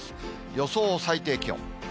予想最低気温。